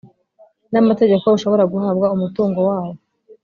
n amategeko ushobora guhabwa umutungo wawo